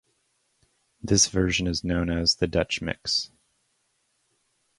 This version is known as the 'Dutch Mix.